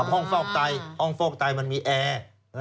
ห้องฟอกไตมันมีแอร์